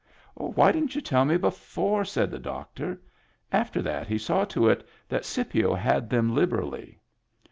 "Why didn't you tell me before.^" said the doctor. After that he saw to it that Scipio had them liberally.